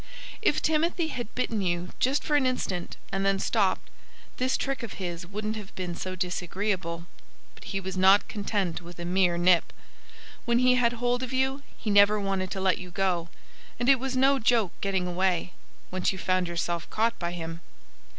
If Timothy had bitten you just for an instant, and then stopped, this trick of his wouldn't have been so disagreeable. But he was not content with a mere nip. When he had hold of you he never wanted to let you go. And it was no joke getting away, once you found yourself caught by him.